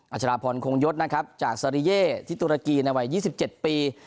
ชราพรคงยศนะครับจากซาริเย่ที่ตุรกีในวัย๒๗ปี